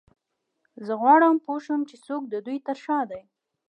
زه غواړم پوه شم چې څوک د دوی تر شا دی